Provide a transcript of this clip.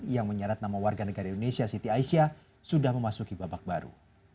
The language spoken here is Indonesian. yang menyeret nama warga negara indonesia siti aisyah sudah memasuki babak baru